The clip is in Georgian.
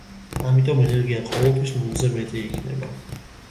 ამიტომ ენერგია ყოველთვის ნულზე მეტი იქნება.